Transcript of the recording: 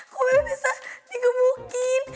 kok bebe bisa digebukin